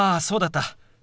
そうだった。